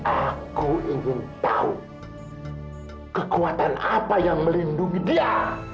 aku ingin tahu kekuatan apa yang melindungi dia